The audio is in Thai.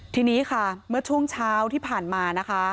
ทีนี้ค่ะเมื่อช่วงเช้าที่ผ่านมานะคะ